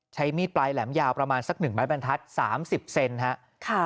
ใช้มีดปลายแหลมยาวประมาณสักหนึ่งแบบแบนทัศน์๓๐เซนฮะ